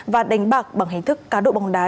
và đánh bạc bằng hình thức cá độ bóng đá